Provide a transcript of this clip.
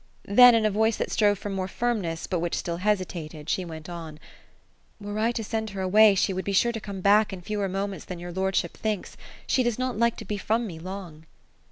Then in a voice that strove for more firmness, but which still hesitated, she went on ^'' Were I to send her away, she would be sure to come back in fewer moments than your lord ship thinks ; she does not like to be from me long."